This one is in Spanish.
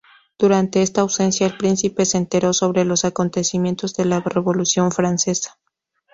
Durante esta ausencia el príncipe se enteró sobre los acontecimientos de la Revolución Francesa.